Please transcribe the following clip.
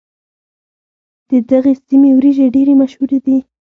د دغې سيمې وريجې ډېرې مشهورې دي.